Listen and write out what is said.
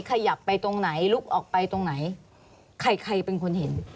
ขยับไปตรงไหนลุกออกไปตรงไหนใครใครเป็นคนเห็น